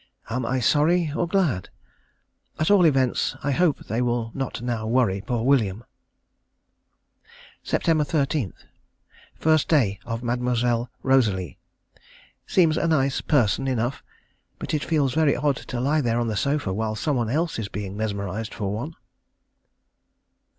Am I sorry or glad? At all events, I hope they will not now worry poor William.... Sept. 13. First day of Mademoiselle Rosalie. Seems a nice person enough; but it feels very odd to lie there on the sofa while some one else is being mesmerised for one.